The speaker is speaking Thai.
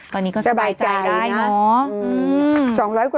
ตอนนี้ก็สบายใจได้น้องต้องใจนะคะสบายใจ